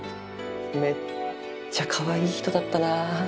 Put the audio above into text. めっちゃかわいい人だったな。